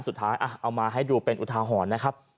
เอามาให้ดูเป็นอุทาหรณ์นะครับ